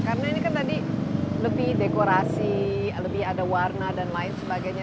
karena ini kan tadi lebih dekorasi lebih ada warna dan lain sebagainya